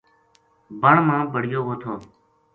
بن ما بَڑیو وو تھو